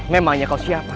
memangnya kau siapa